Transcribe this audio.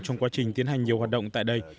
trong quá trình tiến hành nhiều hoạt động tại đây